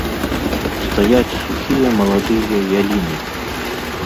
Стаяць сухія маладыя яліны!